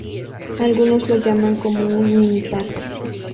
Algunos lo llaman como un mini parque.